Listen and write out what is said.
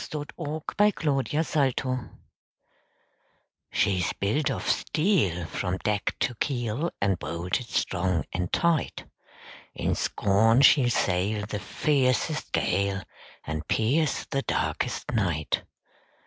THE WORD OF AN ENGINEER "She's built of steel From deck to keel, And bolted strong and tight; In scorn she'll sail The fiercest gale, And pierce the darkest night.